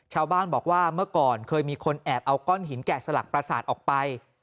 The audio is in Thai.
ชาวบ้านบอกว่าเมื่อก่อนเคยมีคนแอบเอาก้อนหินแกะสลักประสาทออกไป